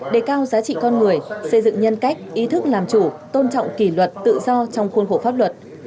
đề cao giá trị con người xây dựng nhân cách ý thức làm chủ tôn trọng kỷ luật tự do trong khuôn khổ pháp luật